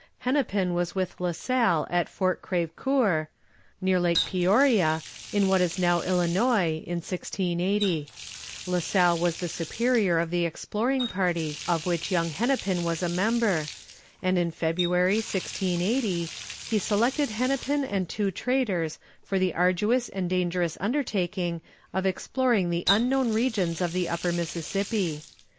Hennepin was with La Salle at Fort Creve Coeur, near Lake Peoria, in what is now Illinois, in 1680. La Salle was the superior of the exploring party of which young Hennepin was a member, and in February, 1680, he selected Hennepin and two traders for the arduous and dangerous undertaking of exploring the unknown regions of the Upper Mississippi.